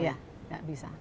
iya tidak bisa